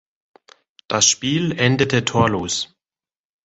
Das Spiel endete torlos.